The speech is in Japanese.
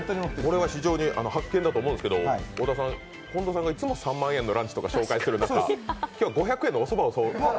これは非常に発見だと思うんですが太田さん、近藤さんがいつも３万円とかのランチを紹介している中今日は５００円のおそばを紹介。